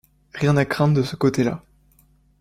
Rien à craindre de ce côté-là.